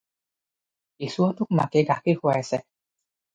কেঁচুৱাটোক মাকে গাখীৰ খুৱাই আছে।